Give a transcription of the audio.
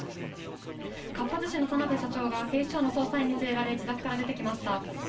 かっぱ寿司の田辺社長が警視庁の捜査員に連れられ、自宅から出てきました。